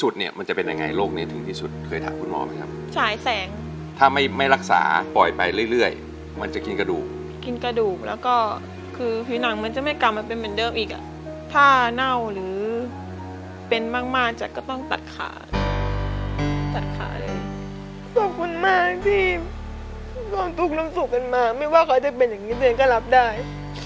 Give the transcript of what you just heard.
ขอบคุณมากที่ความสุขแล้วสุขกันมาไม่ว่าเค้าจะเป็นอย่างนี้เดี๋ยวก็รับได้